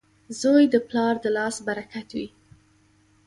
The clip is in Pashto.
• زوی د پلار د لاس برکت وي.